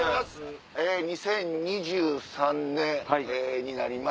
２０２３年になりました。